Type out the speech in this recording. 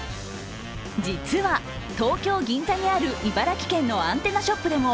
実は東京・銀座にある茨城県のアンテナショップでも